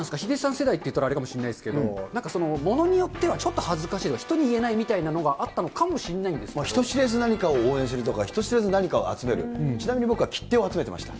世代っていったらあれかもしれないですけど、ものによってはちょっと恥ずかしいとか、人に言えないっていうのがあった人知れずに何かとか、人知れず何かを集める、ちなみに僕は切手集めてました。